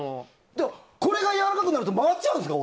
これがやわらかくなると回っちゃうんですか？